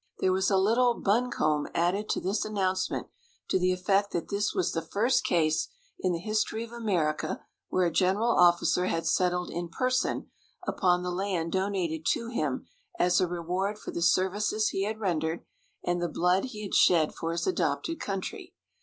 There was a little buncombe added to this announcement, to the effect that this was the first case in the history of America where a general officer had settled in person upon the land donated to him as a reward for the services he had rendered and the blood he had shed for his adopted country.